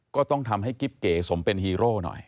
ก็ต้องทำให้กิ๊บเก๋สมเป็นฮีโร่หน่อย